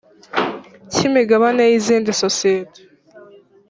cy imigabane y izindi sosiyete